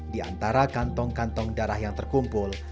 di antara kantong kantong darah yang terkumpul